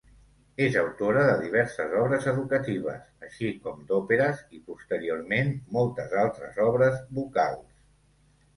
És autora de diverses obres educatives, així com d'òperes i posteriorment moltes altres obres vocals.